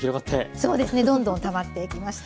そうですねどんどんたまってきました。